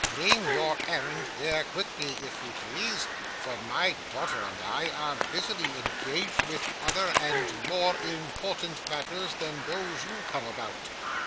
Name your errand here, quickly, if you please, for my daughter and I are busily engaged with other and more important matters than those you come about.